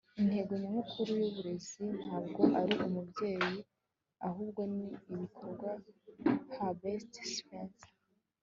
intego nyamukuru y'uburezi ntabwo ari ubumenyi ahubwo ni ibikorwa. - herbert spencer